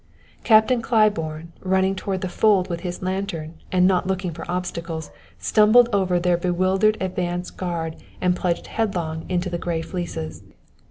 Captain Claiborne, running toward the fold with his lantern and not looking for obstacles, stumbled over their bewildered advance guard and plunged headlong into the gray fleeces.